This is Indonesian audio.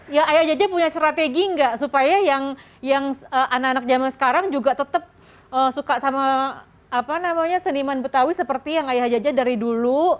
ya ayah jaja punya strategi nggak supaya yang anak anak zaman sekarang juga tetap suka sama seniman betawi seperti yang ayah jaja dari dulu